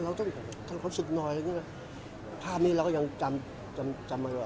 เราต้องสึกหน่อยอะไรอย่างนี้นะภาพนี้เราก็ยังจำมาแล้ว